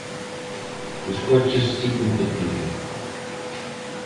Os coches si competiron.